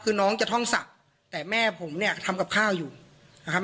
คือน้องจะท่องศักดิ์แต่แม่ผมเนี่ยทำกับข้าวอยู่นะครับ